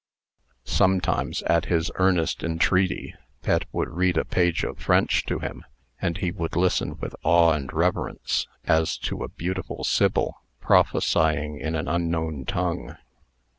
Sometimes, at his earnest entreaty, Pet would read a page of French to him; and he would listen with awe and reverence, as to a beautiful sibyl prophesying in an unknown tongue.